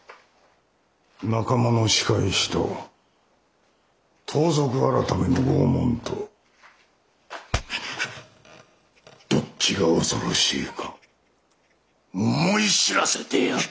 仲間の仕返しと盗賊改の拷問とどっちが恐ろしいか思い知らせてやる！